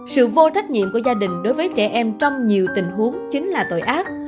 sự vô trách nhiệm của gia đình đối với trẻ em trong nhiều tình huống chính là tội ác